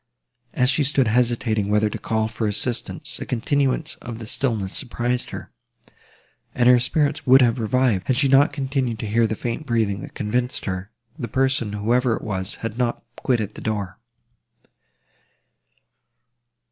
As she stood hesitating whether to call for assistance, the continuance of the stillness surprised her; and her spirits would have revived, had she not continued to hear the faint breathing, that convinced her, the person, whoever it was, had not quitted the door.